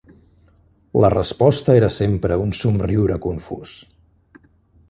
La resposta era sempre un somriure confús